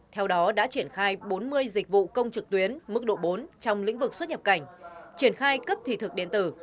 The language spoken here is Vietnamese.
theo đó đã triển khai bốn mươi dịch vụ công trực tuyến mức độ bốn trong lĩnh vực xuất nhập cảnh triển khai cấp thủy thực điện tử